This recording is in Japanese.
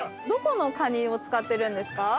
どこのカニを使ってるんですか？